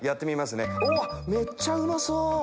おめっちゃうまそう！